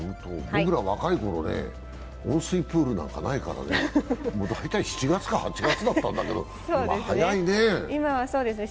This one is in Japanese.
僕ら若いころね、温水プールなんかないから、大体７月か８月だったんだけど、今、早いね。